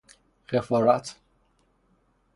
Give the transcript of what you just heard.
خفارت